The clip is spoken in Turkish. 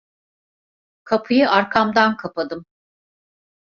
Kapıyı arkamdan kapadım.